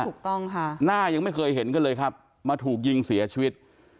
ถูกต้องค่ะหน้ายังไม่เคยเห็นกันเลยครับมาถูกยิงเสียชีวิต